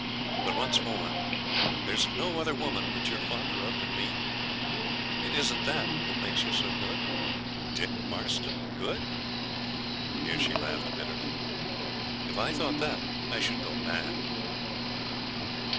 But, once more, there's no other woman that you're fonder of than me? It isn't that that makes you so good? Dick Marston good!' and here she laughed bitterly. 'If I thought that I should go mad.'